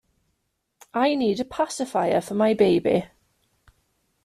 I need a pacifier for my baby.